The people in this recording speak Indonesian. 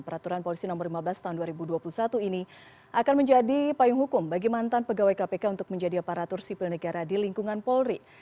peraturan polisi nomor lima belas tahun dua ribu dua puluh satu ini akan menjadi payung hukum bagi mantan pegawai kpk untuk menjadi aparatur sipil negara di lingkungan polri